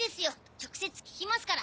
直接聞きますから。